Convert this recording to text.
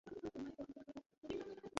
মায়ানদি ভাই যেমন বলেছিল তুই কী তেমনই করেছিস?